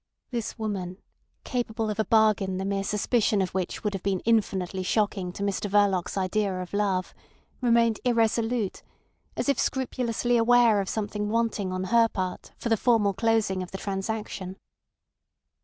This woman, capable of a bargain the mere suspicion of which would have been infinitely shocking to Mr Verloc's idea of love, remained irresolute, as if scrupulously aware of something wanting on her part for the formal closing of the transaction.